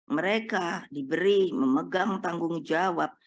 mereka diberi memegang tanggung jawab